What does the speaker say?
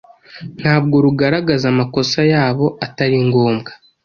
ntabwo rugaragaza amakosa yabo atari ngombwa;